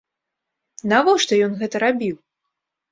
Навошта ён гэта рабіў?